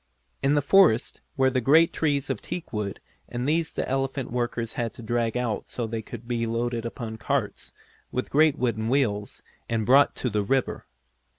In the forest were great trees of teakwood and these the elephant workers had to drag out so they could be loaded upon carts, with great wooden wheels, and brought to the river.